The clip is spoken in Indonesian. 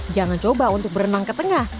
jangan coba untuk berenang ke tengah